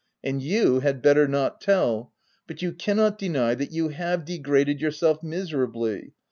" And you had better not tell — but you can not deny that you have degraded yourself miser ably.